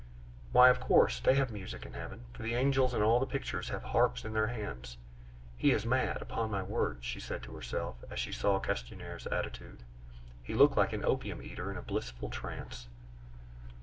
"Why, of course, they have music in heaven, for the angels in all the pictures have harps in their hands. He is mad, upon my word!" she said to herself, as she saw Castanier's attitude; he looked like an opium eater in a blissful trance.